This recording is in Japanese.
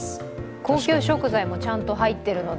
高級食材もちゃんと入っているので。